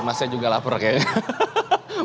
mas saya juga lapar kayaknya